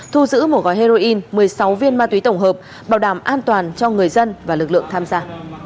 thu giữ một gói heroin một mươi sáu viên ma túy tổng hợp bảo đảm an toàn cho người dân và lực lượng tham gia